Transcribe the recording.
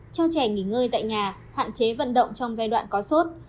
cho trẻ nghỉ ngơi tại nhà hạn chế vận động trong giai đoạn có sốt